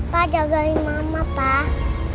pak jagain mama pak